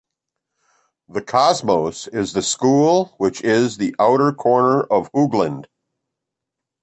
The 'Kosmos' is the school which is in the outer corner of Hoogland.